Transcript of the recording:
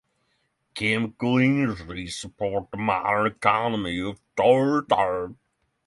Chemical industries support the modern economy of Porto Torres.